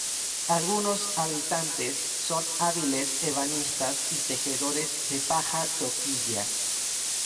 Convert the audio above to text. Algunos habitantes son hábiles ebanistas y tejedores de paja toquilla.